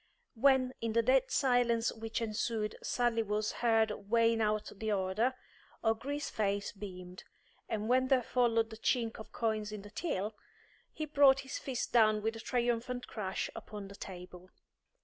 When, in the dead silence which ensued, Sally was heard weighing out the order, O'Gree's face beamed; and when there followed the chink of coins in the till, he brought his fist down with a triumphant crash upon the table.